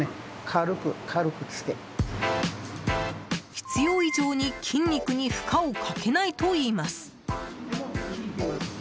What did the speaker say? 必要以上に筋肉に負荷をかけないといいます。